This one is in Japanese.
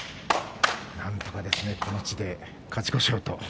なんとか、この位置で勝ち越しをと。